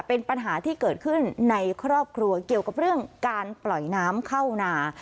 เป็นปัญหาที่เกิดขึ้นในครอบครัวเกี่ยวกับเรื่องการปล่อยน้ำเข้านา